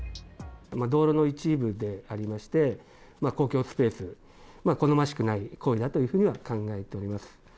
道路の一部でありまして、公共のスペース、好ましくない行為だというふうには考えています。